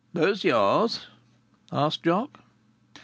"Those yours?" asked Jock.